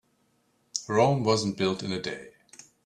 Rome wasn't built in a day.